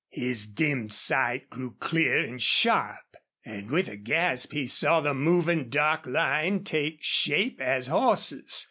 His dimmed sight grew clear and sharp. And with a gasp he saw the moving, dark line take shape as horses.